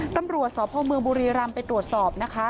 ตำรวจสพเมืองบุรีรำไปตรวจสอบนะคะ